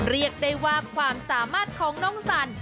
เรียกได้ว่าความสามารถของน้องสัน